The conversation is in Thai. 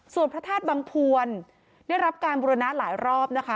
ส่วนพระธาตุบังพวนได้รับการบุรณะหลายรอบนะคะ